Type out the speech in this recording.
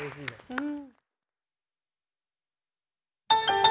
うん。